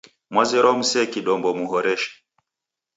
Mwazerwa musee kidombo muhoreshe.